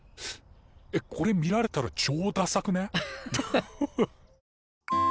えっこれ見られたらちょうダサくね？